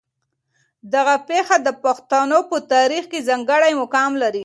دغه پېښه د پښتنو په تاریخ کې ځانګړی مقام لري.